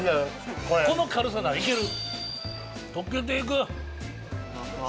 この軽さならいける！